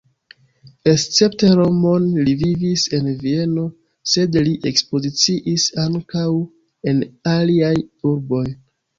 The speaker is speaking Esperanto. Escepte Romon li vivis en Vieno, sed li ekspoziciis ankaŭ en aliaj urboj.